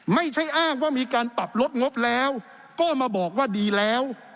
ไม่ใช่อ้างว่ามีการปรับลดงบแล้วก็มาบอกว่าดีแล้ว